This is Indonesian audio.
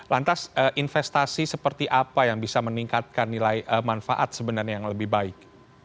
lantas investasi seperti apa yang bisa meningkatkan nilai manfaat sebenarnya yang lebih baik